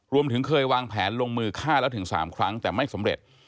รวมถึงเคยวางแผนลงมือฆ่าแล้วถึง๓ครั้งแต่ไม่สำเร็จ